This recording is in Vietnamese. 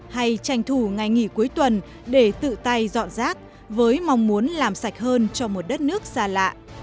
hay tranh thủ ngày nghỉ cuối tuần để tự tay dọn rác với mong muốn làm sạch hơn cho một đất nước xa lạ